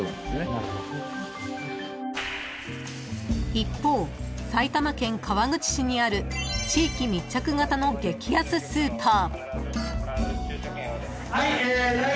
［一方埼玉県川口市にある地域密着型の激安スーパー］